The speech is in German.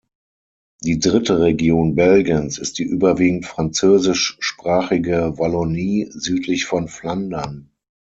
Die dritte Region Belgiens ist die überwiegend französischsprachige Wallonie, südlich von Flandern.